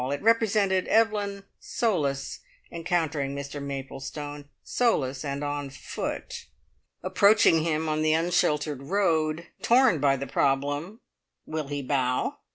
It represented Evelyn solus encountering Mr Maplestone solus and on foot. Approaching him on the unsheltered road, torn by the problem, "Will he bow?